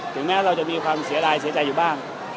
แม้เราจะมีความเสียรายเสียใจอยู่บ้าง